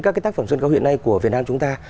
các cái tác phẩm sân khấu hiện nay của việt nam chúng ta